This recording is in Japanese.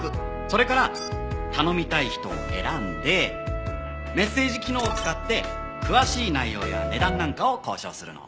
それから頼みたい人を選んでメッセージ機能を使って詳しい内容や値段なんかを交渉するの。